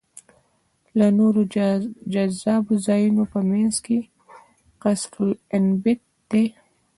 له نورو جذابو ځایونو په منځ کې قصرالبنت دی.